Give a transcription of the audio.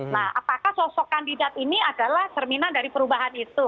nah apakah sosok kandidat ini adalah cerminan dari perubahan itu